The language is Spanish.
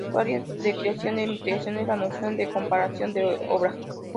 Su área de creación e investigación es la noción de comparecencia de obra.